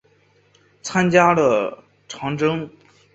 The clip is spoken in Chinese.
参加了长征。